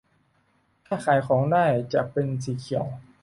ถ้าขายของได้จะเป็นสีเขียว